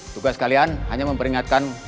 tugas kalian hanya memperingatkan